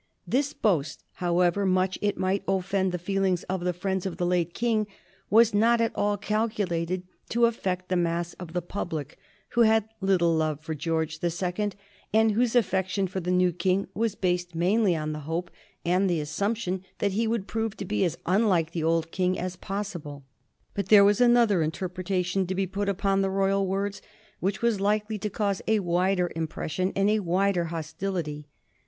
This boast, however much it might offend the feelings of the friends of the late King, was not at all calculated to affect the mass of the public, who had little love for George the Second, and whose affection for the new King was based mainly on the hope and the assumption that he would prove to be as unlike the old King as possible. But there was another interpretation to be put upon the royal words which was likely to cause a wider impression and a wider hostility.